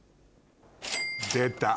出た。